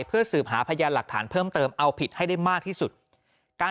เพื่อสืบหาพยานหลักฐานเพิ่มเติมเอาผิดให้ได้มากที่สุดการ